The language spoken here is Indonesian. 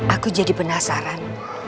aku jadi penasaran